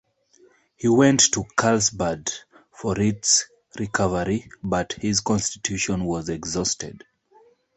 He went to Carlsbad for its recovery, but his constitution was exhausted.